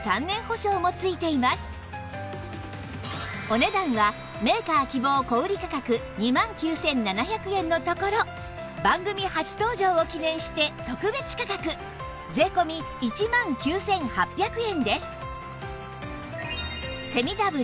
お値段はメーカー希望小売価格２万９７００円のところ番組初登場を記念して特別価格税込１万９８００円です